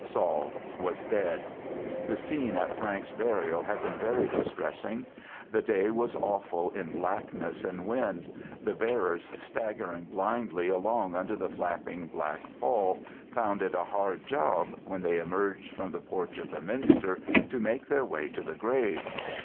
Saul was dead. The scene at Frank's burial had been very distressing. The day was awful in blackness and wind: the bearers, staggering blindly along under the flapping black pall, found it a hard job, when they emerged from the porch of the minster, to make their way to the grave.